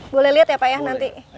boleh lihat ya pak ya nanti